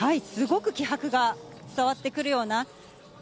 すごく気迫が伝わってくるような。